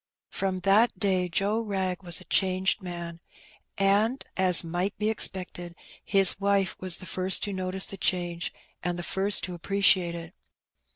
» Prom that day Joe Wrag was a changed man, and, as might be expected, his wife was the first to notice the change and the first to appreciate it.